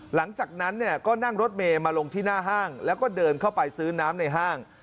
หลังจากนั้นเนี่ยก็นั่งรถเมย์มาลงที่หน้าห้างแล้วก็เดินเข้าไปซื้อน้ำในห้าง